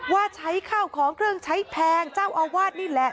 ว่าใช้ข้าวของเครื่องใช้แพงเจ้าอาวาสนี่แหละ